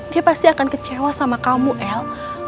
dia pasti akan kecewa sama kamu el